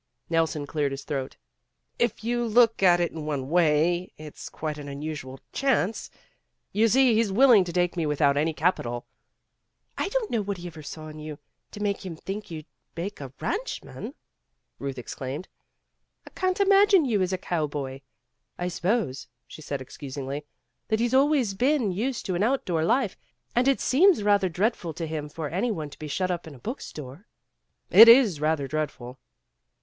Nelson cleared his throat. "If you look at it in one way, it's quite an unusual chance. You see he's willing to take me without any capital " "I don't know what he ever saw in you to make him think you'd make a ranchman," Ruth exclaimed. "I can't imagine you as a cowboy. I suppose," she added excusingly, "that he's always been used to an out door life and it seems rather dreadful to him for any one to be shut up in a book store." "It is rather dreadful."